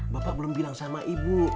bapak belum bilang sama ibu